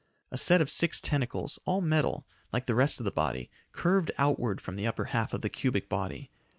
A set of six tentacles, all metal, like the rest of the body, curved outward from the upper half of the cubic body.